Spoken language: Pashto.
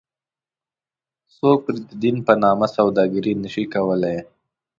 څوک پرې ددین په نامه سوداګري نه شي کولی.